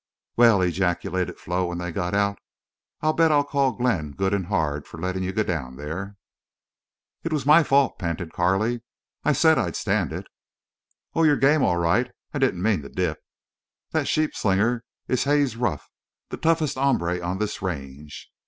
"Well," ejaculated Flo, when they got out, "I'll bet I call Glenn good and hard for letting you go down there." "It was—my—fault," panted Carley. "I said I'd stand it." "Oh, you're game, all right. I didn't mean the dip.... That sheep slinger is Haze Ruff, the toughest hombre on this range.